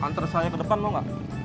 anter saya ke depan mau gak